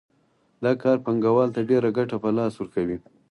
دا کار پانګوال ته ډېره ګټه په لاس ورکوي